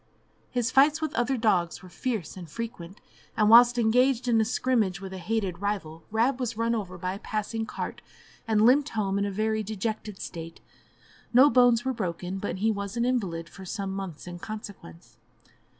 His fights with other dogs were fierce and frequent, and whilst engaged in a scrimmage with a hated rival, Rab was run over by a passing cart, and limped home in a very dejected state; no bones were broken, but he was an invalid for some months in consequence.